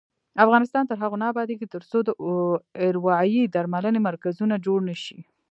افغانستان تر هغو نه ابادیږي، ترڅو د اروايي درملنې مرکزونه جوړ نشي.